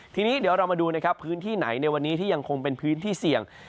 ทีนี้เดี๋ยวเรามาดูนะครับพื้นที่ไหนในวันนี้ที่ยังคงเป็นพื้นที่เสี่ยง